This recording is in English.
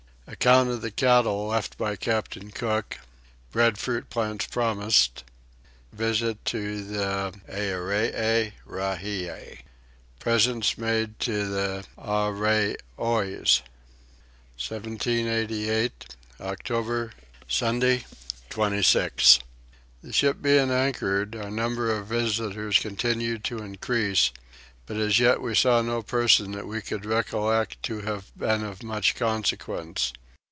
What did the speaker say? Account of the Cattle left by Captain Cook. Breadfruit plants promised. Visit to the Earee Rahie. Presents made to the Arreoys. 1788. October. Sunday 26. The ship being anchored, our number of visitors continued to increase; but as yet we saw no person that we could recollect to have been of much consequence.